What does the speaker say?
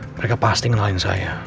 mereka pasti kenalin saya